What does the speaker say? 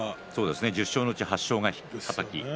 １０勝のうち８勝がはたき。